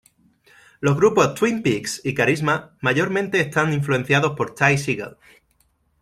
Los grupos Twin Peaks y Carisma mayormente estan influenciados por Ty Segall.